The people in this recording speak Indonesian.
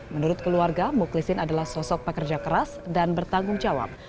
menurut keluarga mukhlisin adalah sosok pekerja keras dan bertanggung jawab